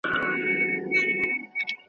چي لا اوسي دلته قوم د جاهلانو ,